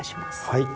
はい。